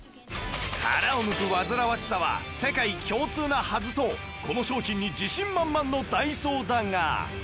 殻を剥く煩わしさは世界共通なはずとこの商品に自信満々のダイソーだが